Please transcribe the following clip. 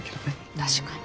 確かに。